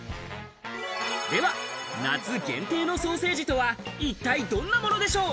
では夏限定のソーセージとは一体どんなものでしょう？